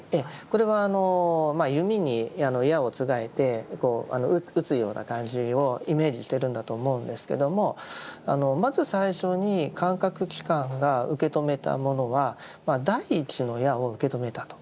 これは弓に矢をつがえて撃つような感じをイメージしてるんだと思うんですけどもまず最初に感覚器官が受け止めたものは第一の矢を受け止めたと。